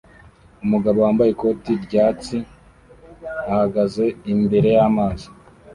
Umugabo wambaye ikoti ryatsi ahagaze imbere yamazi